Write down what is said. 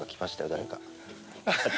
誰か。